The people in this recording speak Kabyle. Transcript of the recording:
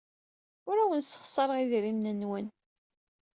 Ur awen-ssexṣareɣ idrimen-nwen.